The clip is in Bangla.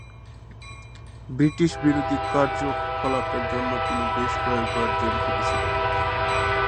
ব্রিটিশবিরোধী কার্যকলাপের জন্য তিনি বেশ কয়েকবার জেল খেটেছিলেন।